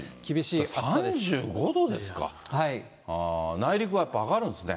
内陸はやっぱり、上がるんですね。